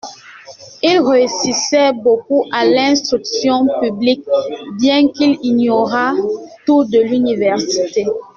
Il réussissait beaucoup à l'Instruction publique, bien qu'il ignorât tout de l'Université.